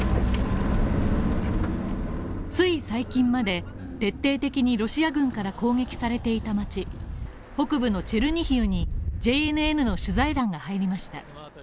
つい最近まで徹底的にロシア軍から攻撃されていた街北部のチェルニヒウにＪＮＮの取材団が入りました。